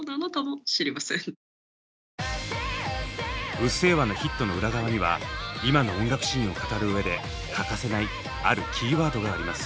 「うっせぇわ」のヒットの裏側には今の音楽シーンを語るうえで欠かせないあるキーワードがあります。